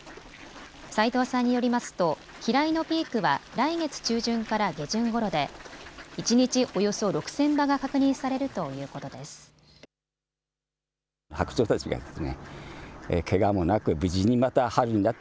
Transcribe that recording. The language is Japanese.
齋藤さんによりますと飛来のピークは来月中旬から下旬ごろで一日およそ６０００羽が確認されるということです。